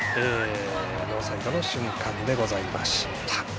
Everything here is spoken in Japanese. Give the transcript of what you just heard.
ノーサイドの瞬間でございました。